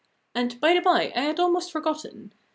And, by the bye, I had almost forgotten!